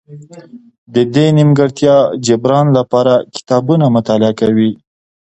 د دې نیمګړتیا جبران لپاره کتابونه مطالعه کوي.